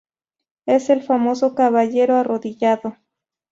Es el famoso "Caballero arrodillado".